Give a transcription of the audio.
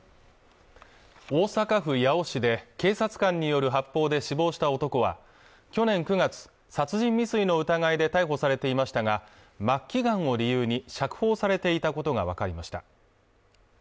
大阪府八尾市で警察官による発砲で死亡した男は去年９月殺人未遂の疑いで逮捕されていましたが末期がんを理由に釈放されていたことが分かりました